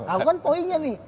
aku kan poinnya nih